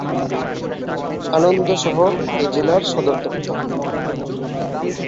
আনন্দ শহর এ জেলার সদরদপ্তর।